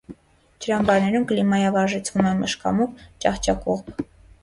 Ջրամբարներում կլիմայավարժեցվում են մշկամուկ, ճահճակուղբ։